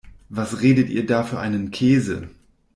Was redet ihr da für einen Käse?